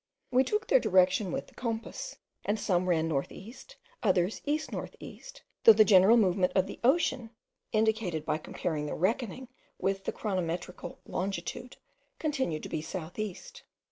We took their direction with the compass, and some ran north east, others east north east, though the general movement of the ocean, indicated by comparing the reckoning with the chronometrical longitude, continued to be south east.